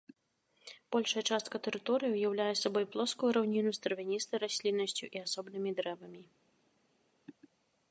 Большая частка тэрыторыі ўяўляе сабой плоскую раўніну з травяністай расліннасцю і асобнымі дрэвамі.